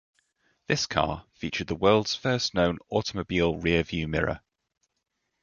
This car featured the world's first known automobile rear-view mirror.